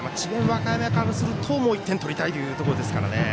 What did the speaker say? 和歌山からするともう１点取りたいというところ。